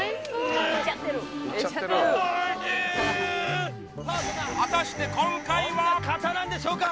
超果たしてどんな方なんでしょうか？